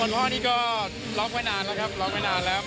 เมื่อวานพ่อนี้ก็ล็อคไว้นานแล้วครับล็อคไว้นานแล้วครับ